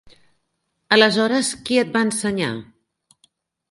Aleshores, qui et va ensenyar?